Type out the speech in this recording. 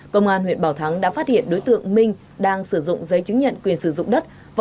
công an huyện bảo thắng đã phát hiện đối tượng minh đang sử dụng giấy chứng nhận quyền sử dụng đất